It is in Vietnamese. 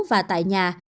và tại nhà